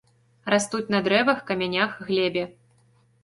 Растуць на дрэвах, камянях, глебе.